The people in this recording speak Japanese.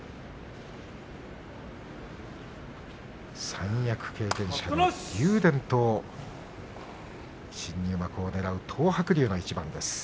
三役経験者の竜電と新入幕をねらう東白龍の一番です。